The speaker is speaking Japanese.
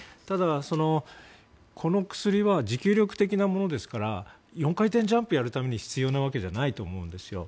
ただ、この薬は持久力的なものですから４回転ジャンプをやるために必要なわけじゃないと思うんです。